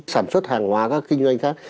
sản xuất hàng hóa các kinh doanh khác